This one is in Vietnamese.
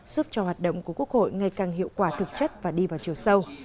giúp cho hoạt động của quốc hội ngày càng hiệu quả thực chất và đi vào chiều sâu